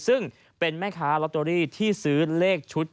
ซึ่งเป็นแม่ค้าลอตเตอรี่ที่ซื้อเลขชุด